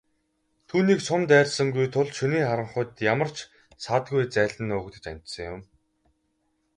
Түүнийг сум дайрсангүй тул шөнийн харанхуйд ямар ч саадгүй зайлан нуугдаж амжсан юм.